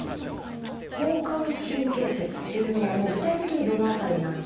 交感神経節っていうのは具体的にどの辺りにあるんですか？